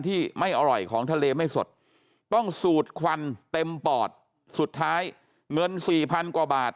ไม่อร่อยของทะเลไม่สดต้องสูดควันเต็มปอดสุดท้ายเงินสี่พันกว่าบาท